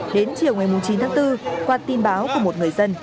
đến chiều ngày chín tháng bốn qua tin báo của một người dân